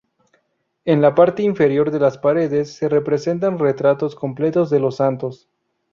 En la parte inferior de las paredes se representan retratos completos de los santos.